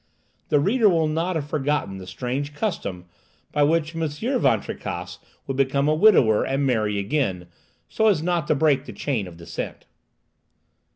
The reader will not have forgotten the strange custom by which M. Van Tricasse would become a widower and marry again, so as not to break the chain of descent.